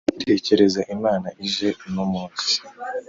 Tekereza Imana ije uno munsi.